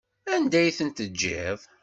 Anda ay ten-tejjiḍ?